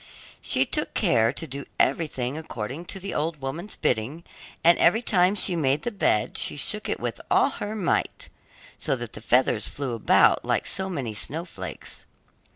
She took care to do everything according to the old woman's bidding and every time she made the bed she shook it with all her might, so that the feathers flew about like so many snowflakes.